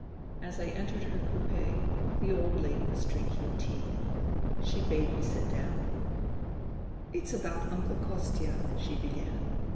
As I entered her coupe the old lady was drinking tea. She bade me sit down. "It's about Uncle Kostia," she began.